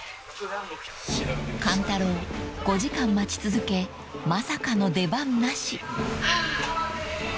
［勘太郎５時間待ち続けまさかの出番なし］